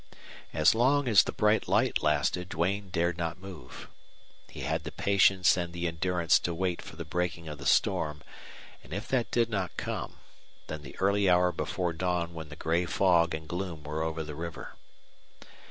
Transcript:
As long as the bright light lasted Duane dared not move. He had the patience and the endurance to wait for the breaking of the storm, and if that did not come, then the early hour before dawn when the gray fog and gloom were over the river.